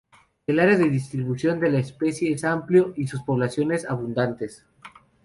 El área de distribución de la especie es amplio y sus poblaciones abundantes.